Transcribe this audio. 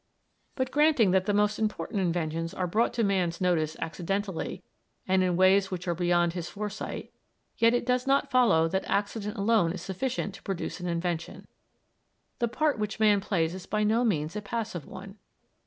But granting that the most important inventions are brought to man's notice accidentally and in ways that are beyond his foresight, yet it does not follow that accident alone is sufficient to produce an invention. The part which man plays is by no means a passive one.